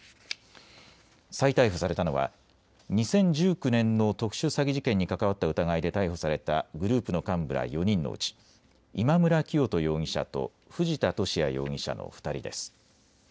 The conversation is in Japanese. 再逮捕されたのは２０１９年の特殊詐欺事件に関わった疑いで逮捕されたグループの幹部ら４人のうち今村磨人容疑者と藤田聖也容疑者の２人です。